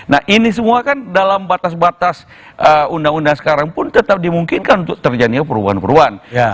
nah ini semua kan dalam batas batas undang undang sekarang pun tetap dimungkinkan untuk terjadinya perubahan perubahan